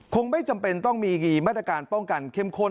คงไม่จำเป็นต้องมีมาตรการป้องกันเข้มข้น